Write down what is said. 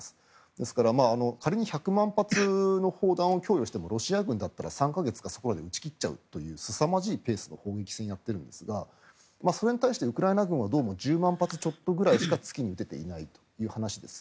ですから仮に１００万発の砲弾を供与してもロシア軍だったら３か月かそこらで撃ち切っちゃうというすさまじいペースの砲撃戦をやっているんですがそれに対してウクライナ軍はどうも１０万発ちょっとしか月に出ていないという話です。